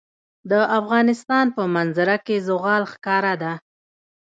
د افغانستان په منظره کې زغال ښکاره ده.